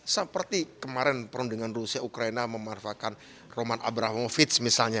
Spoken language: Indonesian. seperti kemarin perundingan rusia ukraina memanfaatkan roman abramovic misalnya